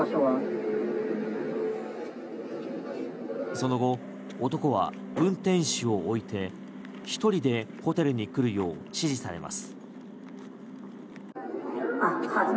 その後、男は運転手を置いて１人でホテルに来るよう指示されます。